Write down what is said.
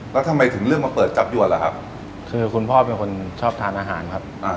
แล้วทำไมถึงเลือกมาเปิดจับยวนล่ะครับคือคุณพ่อเป็นคนชอบทานอาหารครับอ่า